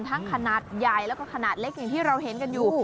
ขนาดใหญ่แล้วก็ขนาดเล็กอย่างที่เราเห็นกันอยู่